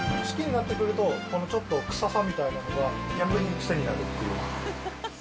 好きになってくると、このちょっと、くささみたいなのが、逆に癖になるっていう。